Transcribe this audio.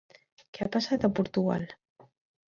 Què ha passat a Portugal?